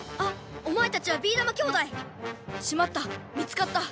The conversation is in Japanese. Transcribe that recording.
おまえたちはビーだま兄弟！しまった見つかった！